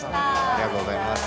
ありがとうございます。